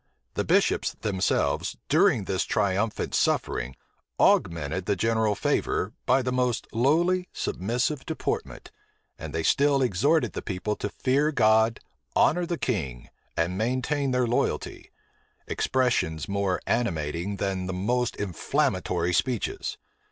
The bishops themselves, during this triumphant suffering, augmented the general favor, by the most lowly, submissive deportment; and they still exhorted the people to fear God, honor the king, and maintain their loyalty; expressions more animating than the most inflammatory speeches.